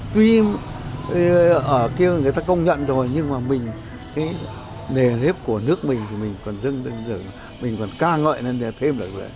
tuy ở kia người ta công nhận rồi nhưng mà mình cái nề lếp của nước mình thì mình còn dưng lên mình còn ca ngợi lên để thêm được